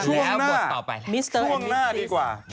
ช่วงหน้าช่วงหน้าดีกว่า